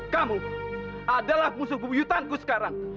kamu adalah musuh bubu yutanku sekarang